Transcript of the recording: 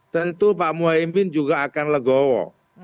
tentu pak muhaymin juga akan legowo